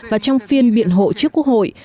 và trong phiên biện hộ trước quốc hội